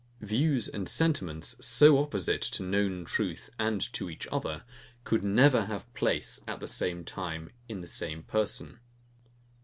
Views and sentiments, so opposite to known truth and to each other, could never have place, at the same time, in the same person.